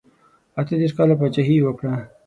اته دېرش کاله پاچهي یې وکړه.